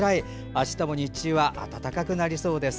明日も日中は暖かくなりそうです。